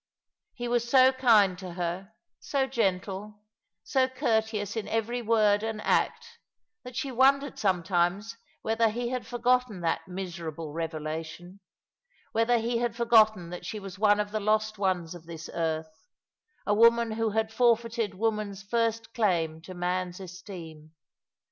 Ho was so kind to her, so gentle, so courteous in every word and act, that she wondered sometimes whether he had forgotten that miserable revelation ; whether he had forgotten that she was one of the lost ones of this earth, a woman who had forfeited woman's first claim to man's esteem.